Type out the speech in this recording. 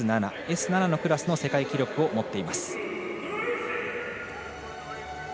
Ｓ７のクラスの世界記録を持っています。